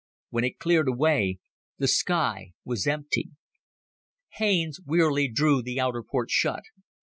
When it cleared away, the sky was empty. Haines wearily drew the outer port shut.